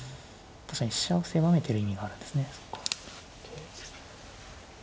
確かに飛車を狭めてる意味があるんですね。